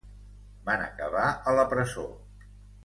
Van acabar a la presó.